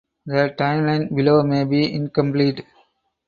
The timeline below may be incomplete.